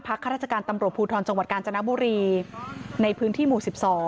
ข้าราชการตำรวจภูทรจังหวัดกาญจนบุรีในพื้นที่หมู่๑๒